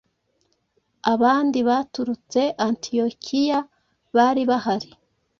abandi baturutse Antiyokiya bari bahari,